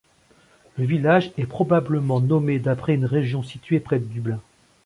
Le village est probablement nommé d'après une région située près de Dublin.